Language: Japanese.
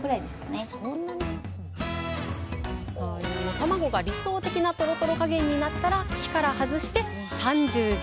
たまごが理想的なトロトロ加減になったら火から外して３０秒。